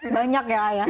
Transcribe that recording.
banyak ya ayah